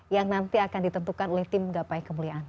yang nanti akan ditentukan oleh tim gapai kemuliaan